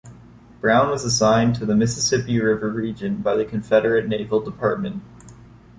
Brown was assigned to the Mississippi River region by the Confederate Naval Department.